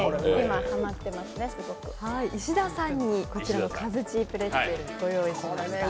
石田さんにこちら、カズチープレッツェルをご用意しました。